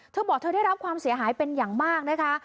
เธอบอกเธอได้รับความเสียหายเป็นอย่างมากนะคะ